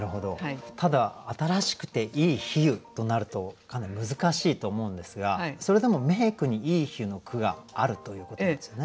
ただ新しくていい比喩となるとかなり難しいと思うんですがそれでも名句にいい比喩の句があるということですよね？